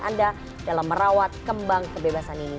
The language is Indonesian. anda dalam merawat kembang kebebasan ini